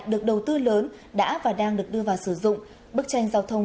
được đầu tư lớn đã và đang được đưa vào sử dụng bức tranh giao thông